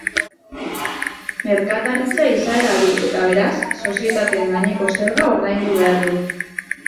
Merkataritza-izera du eta beraz, Sozietateen gaineko zerga ordaindu behar du.